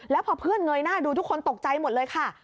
แล้วพอเพื่อนเงยหน้าดูทุกคนตกใจหมดเลยค่ะ